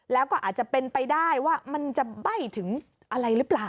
แล้วก็อาจจะเป็นไปได้ว่ามันจะใบ้ถึงอะไรหรือเปล่า